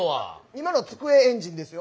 今の机エンジンですよ。